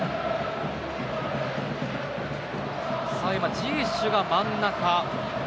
ジエシュが真ん中。